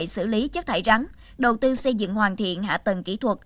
xử lý chất thải rắn đầu tư xây dựng hoàn thiện hạ tầng kỹ thuật